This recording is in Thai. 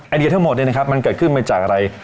เดียทั้งหมดมันเกิดขึ้นมาจากอะไร